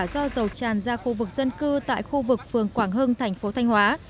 do dầu tràn ra khu vực dân cư tại khu vực phường quảng hưng thành phố thanh hóa